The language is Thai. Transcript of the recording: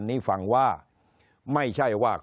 คนในวงการสื่อ๓๐องค์กร